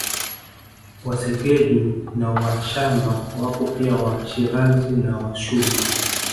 Wasegeju na Washambaa wapo pia Washirazi na Washubi